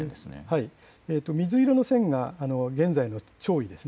水色の線が現在の潮位です。